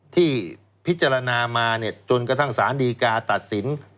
ที่พิจารณามาจนกระทั่งสารดีกาตัดสิน